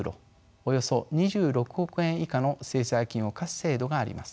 およそ２６億円以下の制裁金を科す制度があります。